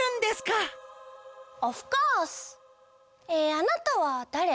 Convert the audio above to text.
えあなたはだれ？